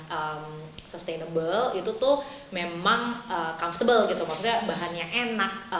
yang sustainable itu tuh memang comfortable gitu maksudnya bahannya enak